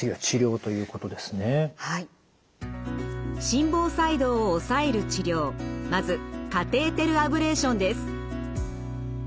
心房細動を抑える治療まずカテーテルアブレーションです。